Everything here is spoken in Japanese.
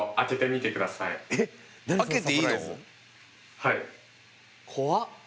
はい。